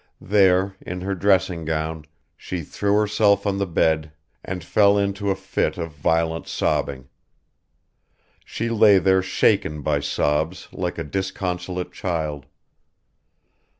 There, in her dressing gown, she threw herself on the bed and fell into a fit of violent sobbing. She lay there shaken by sobs like a disconsolate child.